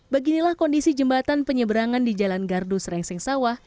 beginilah kondisi jembatan penyeberangan di jalan gardu srengseng sawah